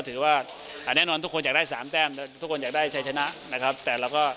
ถือว่าอ่าแน่นอนทุกคนอยากได้สามแต้มทุกคนอยากได้ชัยชนะนะครับแต่เราก็